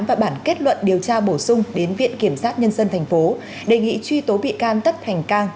và bản kết luận điều tra bổ sung đến viện kiểm sát nhân dân tp hcm đề nghị truy tố bị can tất hành can